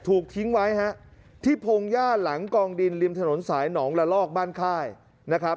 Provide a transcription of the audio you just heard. ถูกทิ้งไว้ฮะที่พงหญ้าหลังกองดินริมถนนสายหนองละลอกบ้านค่ายนะครับ